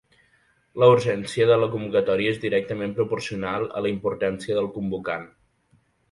La urgència de la convocatòria és directament proporcional a la importància del convocant.